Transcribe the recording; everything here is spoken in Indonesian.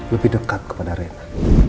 lebih dekat kepada rena